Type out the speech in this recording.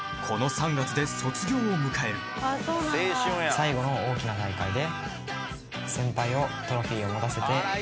最後の大きな大会で。